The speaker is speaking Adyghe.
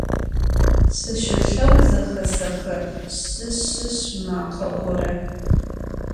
Sışılheu zexesexı şşı - şşışş makhe gore.